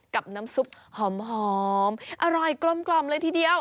กับน้ำซุปหอมอร่อยกลมเลยทีเดียว